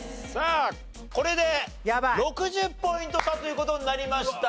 これで６０ポイント差という事になりました。